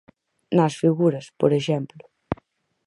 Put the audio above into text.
Nas figuras por exemplo.